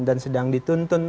dan sedang dituntun